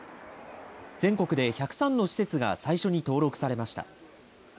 全国で１０３の施設が最初に登録されました。